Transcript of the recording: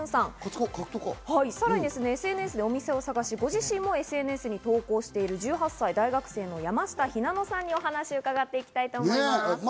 さらにＳＮＳでお店を探し、ご自身もＳＮＳに投稿している１８歳、大学生の山下ひなのさんにお話を伺っていきたいと思います。